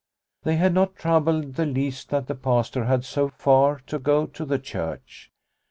They had not troubled the least that the Pastor had so far to go to the church.